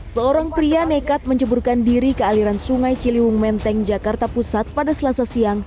seorang pria nekat menjeburkan diri ke aliran sungai ciliwung menteng jakarta pusat pada selasa siang